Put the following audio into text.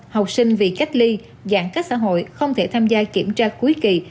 học sinh bị cách ly giãn cách xã hội không thể tham gia kiểm tra cuối kỳ